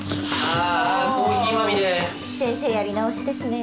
先生やり直しですね。